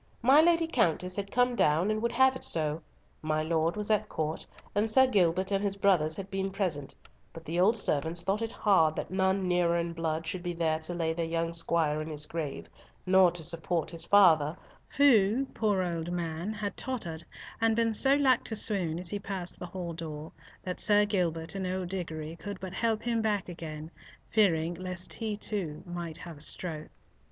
My Lady Countess had come down and would have it so; my lord was at Court, and Sir Gilbert and his brothers had been present, but the old servants thought it hard that none nearer in blood should be there to lay their young squire in his grave, nor to support his father, who, poor old man, had tottered, and been so like to swoon as he passed the hall door, that Sir Gilbert and old Diggory could but, help him back again, fearing lest he, too, might have a stroke.